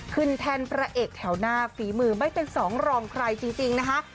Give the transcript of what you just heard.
แทนพระเอกแถวหน้าฝีมือไม่เป็นสองรองใครจริงนะคะ